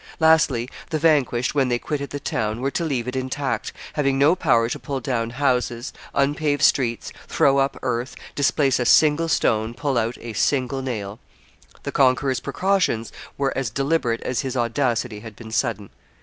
Lastly the vanquished, when they quitted the town, were to leave it intact, having no power to pull down houses, unpave streets, throw up earth, displace a single stone, pull out a single nail. The conqueror's precautions were as deliberate as his audacity had been sudden.